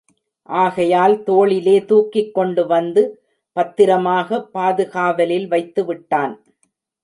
ஆகையால் தோளிலே தூக்கிக்கொண்டு வந்து பத்திரமாக பாதுகாவலில் வைத்துவிட்டான்.